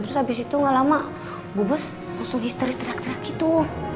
terus abis itu gak lama bu bos langsung histeris terdak terdak gitu